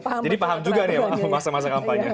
jadi paham juga ya masa masa kampanye